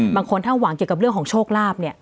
บางคนถ้าหวังเกี่ยวกับเรื่องของโชคลาภเนี่ย